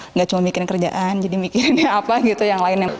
nggak cuma mikirin kerjaan jadi mikirnya apa gitu yang lainnya